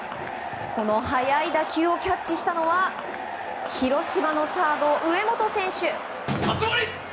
この速い打球をキャッチしたのは広島のサード、上本選手。